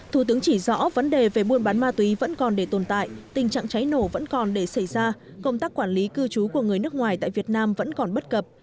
thủ tướng chỉ rõ vấn đề về buôn bán ma túy vẫn còn để tồn tại tình trạng cháy nổ vẫn còn để xảy ra công tác quản lý cư trú của người nước ngoài tại việt nam vẫn còn bất cập